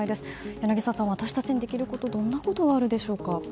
柳澤さん、私たちにできることどんなことがあるでしょうか。